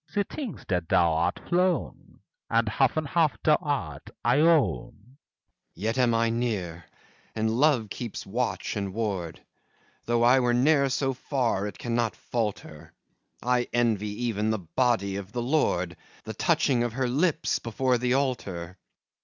She thinks that thou art flown; And half and half thou art, I own. FAUST Yet am I near, and love keeps watch and ward; Though I were ne'er so far, it cannot falter: I envy even the Body of the Lord The touching of her lips, before the altar.